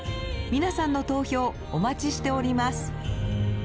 皆さんの投票お待ちしております。